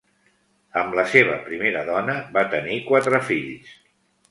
Amb la seva primera dona va tenir quatre fills.